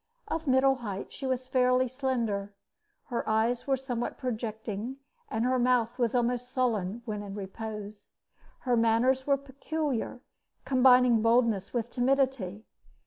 Of middle height, she was fairly slender. Her eyes were somewhat projecting, and her mouth was almost sullen when in repose. Her manners were peculiar, combining boldness with timidity.